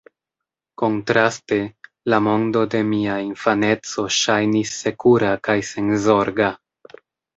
Kontraste, la mondo de mia infaneco ŝajnis sekura kaj senzorga.